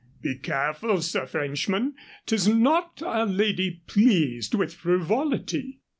Be careful, Sir Frenchman. 'Tis not a lady pleased with frivolity."